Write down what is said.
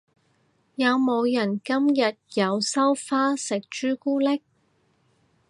有冇人今日有收花食朱古力？